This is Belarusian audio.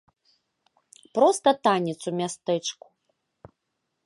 Проста танец у мястэчку.